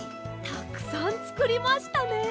たくさんつくりましたね。